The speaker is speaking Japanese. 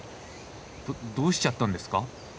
どどうしちゃったんですか？